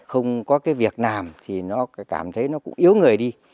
không có cái việc làm thì nó cảm thấy nó cũng yếu người đi